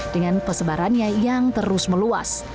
dengan pesebarannya yang terus meluas